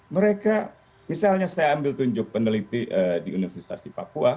mereka misalnya saya ambil tunjuk peneliti di universitas di papua